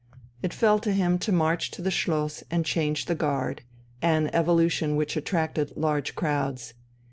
It fell to him to march to the Schloss and change the Guard an evolution which attracted large crowds.